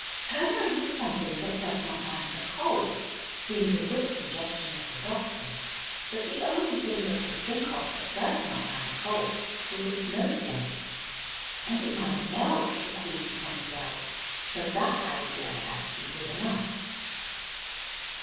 "Turn her into something that does not mind the cold," seemed a good suggestion of the doctor's, but the only thing they could think of that does not mind cold was a snowflake. "And it might melt," the Queen pointed out, so that idea had to be given up.